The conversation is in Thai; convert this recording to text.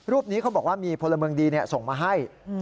รูปนี้เขาบอกว่ามีพลเมืองดีส่งมาให้